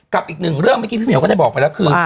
กับอีกหนึ่งเรื่องเมื่อกี้พี่เหี่ยวก็ได้บอกไปแล้วคือ